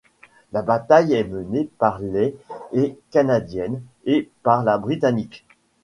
La bataille est menée par les et canadienne, et par la britannique.